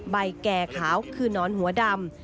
ใบแก่ขาวคือนอนหัวดอยน